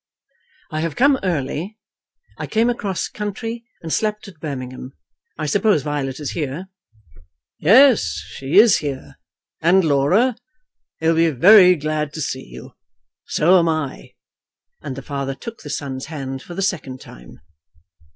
"I have come early. I came across country, and slept at Birmingham. I suppose Violet is here." "Yes, she is here, and Laura. They will be very glad to see you. So am I." And the father took the son's hand for the second time.